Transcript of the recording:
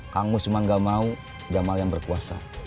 kang mus cuma gak mau jamal yang berkuasa